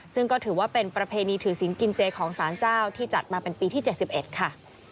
ซึ่งก็ถือว่าเป็นประเพณีถือศิลปกินเจของสารเจ้าที่จัดมาเป็นปีที่๗๑ค่ะ